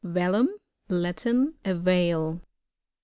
Velum. — Latin. A veil.